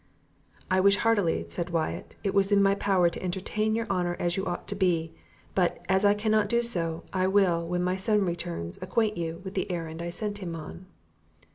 "I wish heartily," said Wyatt, "it was in my power to entertain your honour as you ought to be; but, as I cannot do so, I will, when my son returns, acquaint you with the errand I sent him on."